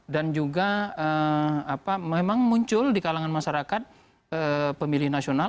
dan juga apa memang muncul di kalangan masyarakat pemilih nasional